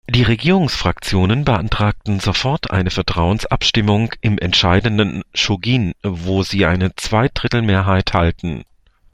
Die Regierungsfraktionen beantragten sofort eine Vertrauensabstimmung im entscheidenden Shūgiin, wo sie eine Zweidrittelmehrheit halten.